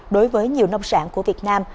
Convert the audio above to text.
đối với nhiều nông sản của việt nam